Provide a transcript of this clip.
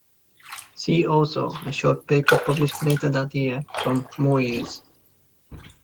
See also a short paper published later that year from Mooers.